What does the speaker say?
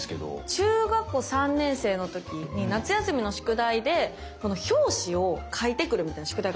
中学校３年生の時に夏休みの宿題で表紙を描いてくるみたいな宿題があったんですよ。